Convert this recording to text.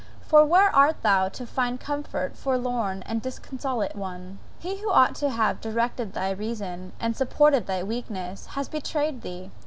For where art thou to find comfort, forlorn and disconsolate one? He who ought to have directed thy reason, and supported thy weakness, has betrayed thee!